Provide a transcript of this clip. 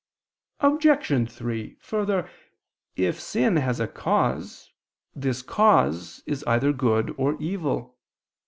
Obj. 3: Further, if sin has a cause, this cause is either good or evil.